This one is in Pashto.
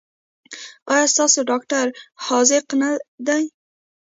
ایا ستاسو ډاکټر حاذق دی؟